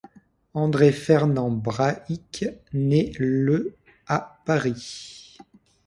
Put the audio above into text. André Fernand Brahic naît le à Paris.